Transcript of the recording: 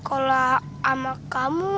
kalau sama kamu